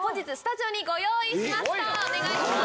お願いします。